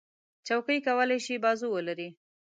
چوکۍ کولی شي بازو ولري.